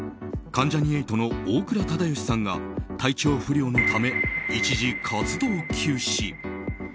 関ジャニ∞の大倉忠義さんが体調不良のため一時活動休止。